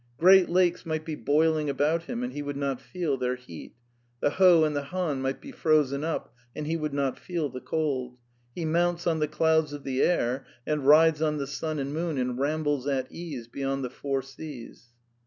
Great lakes might be boiling about him and he would not feel their heat ; the Ho and the Han might be frozen up, and he would not feel the cold ... he mounts on the clouds of the air, and rides on the sim and moon, and rambles at ease beyond the four seas."